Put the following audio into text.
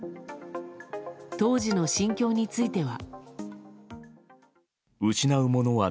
当時の心境については。